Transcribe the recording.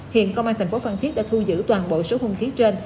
hiện công an tp phan thiết đã thu giữ toàn bộ số hung khí trên